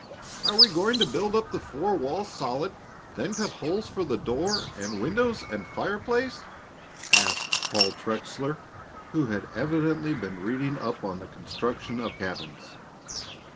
"Are we going to build up the four walls solid, and then cut holes for the door and windows and fireplace?" asked Paul Trexler, who had evidently been reading up on the construction of cabins.